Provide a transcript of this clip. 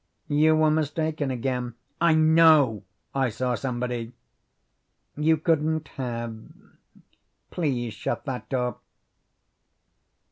"You were mistaken again." "I KNOW I saw somebody." "You couldn't have. Please shut that door."